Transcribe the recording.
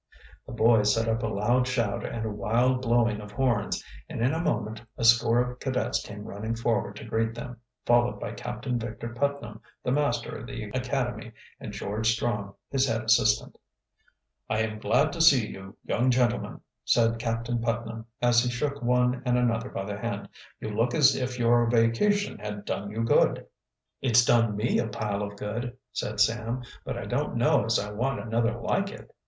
The boys set up a loud shout and a wild blowing of horns, and in a moment a score of cadets came running forward to greet them, followed by Captain Victor Putnam, the master of the academy, and George Strong, his head assistant. "I am glad to see you, young gentlemen," said Captain Putnam, as he shook one and another by the hand. "You look as if your vacation had done you good." "It's done me a pile of good," said Sam. "But I don't know as I want another like it."